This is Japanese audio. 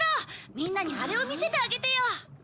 みんなにあれを見せてあげてよ。